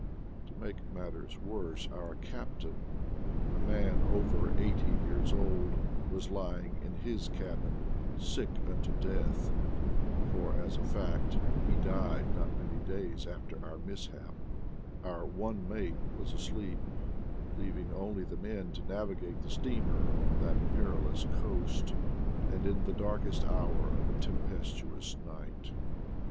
l 2 ;V '::/^ To make matters worse our captain, a man over eighty years old, was lying in his cabin sick unto death, for, as a fact, he died not many days after onr mishap; our one mate was asleep, leaving only the men to navigate the steamer on that perilous coast, and in the darkest hour of a tem pestuous night.